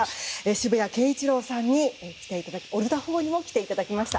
渋谷慶一郎さん、オルタ４にも来ていただきました。